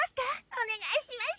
おねがいしましゅ。